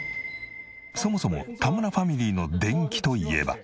そもそも田村ファミリーの電気といえば。